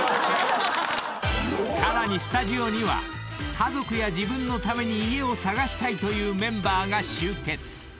［さらにスタジオには家族や自分のために家を探したいというメンバーが集結］え！